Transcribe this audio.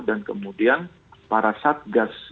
dan kemudian para satgas yang sudah dibentuk